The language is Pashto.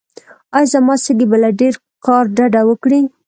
ایا زما سږي به له کار ډډه وکړي؟